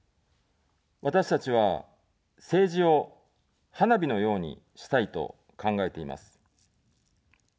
私たちは、政治を花火のようにしたいと考えています。